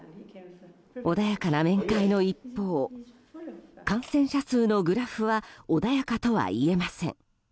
穏やかな面会の一方感染者数のグラフは穏やかとはいえません。